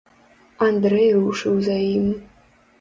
Андрэй рушыў за ім.